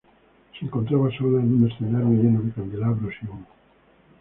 Se encontraba sola en un escenario lleno de candelabros y humo.